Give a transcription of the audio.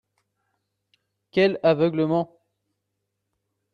Quel aveuglement